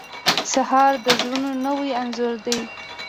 سهار د زړونو نوی انځور دی.